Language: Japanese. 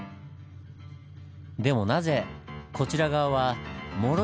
でもなぜこちら側はもろい水冷